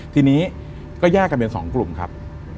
ทีนี้ก็แยกกันเป็น๒กลุ่มครับ